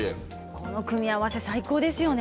この組み合わせ最高ですよね。